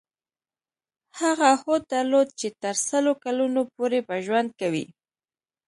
هغه هوډ درلود چې تر سلو کلونو پورې به ژوند کوي.